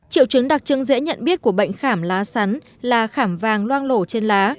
triệu chứng đặc trưng dễ nhận biết của bệnh khảm lá sắn là khảm vàng loang lổ trên lá